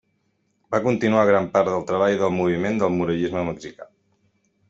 Va continuar gran part del treball del moviment del muralisme mexicà.